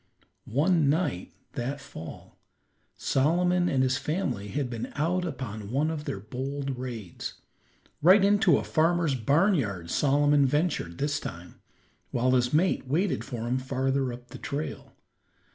One night that fall, Solomon and his family had been out upon one of their bold raids. Right into a farmer's barn yard Solomon ventured this time, while his mate waited for him farther up the trail.